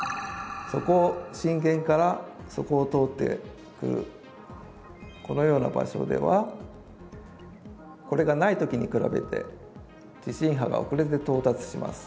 そこを震源からそこを通ってくるこのような場所ではこれがないときに比べて地震波が遅れて到達します。